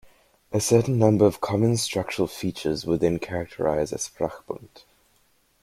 A certain number of common structural features would then characterize a sprachbund.